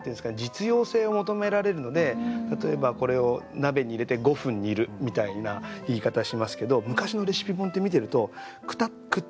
実用性を求められるので例えば「これを鍋に入れて５分煮る」みたいな言い方しますけど昔のレシピ本って見てると「くったりするまで煮る」とか。